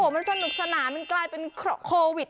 มันสนุกสนานมันกลายเป็นโควิด